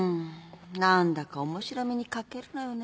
何だか面白みに欠けるのよね。